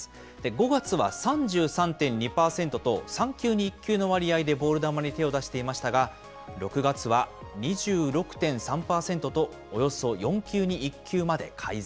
５月は３３．２％と、３球に１球の割合でボール球に手を出していましたが、６月は２６．３％と、およそ４球に１球まで改善。